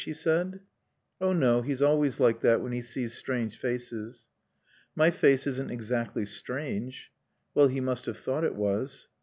she said. "Oh, no, he's always like that when he sees strange faces." "My face isn't exactly strange." "Well, he must have thought it was."